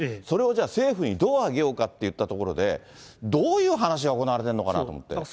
それをじゃあ、政府にどう上げようかといったところで、どういう話が行われてるのかなと思って。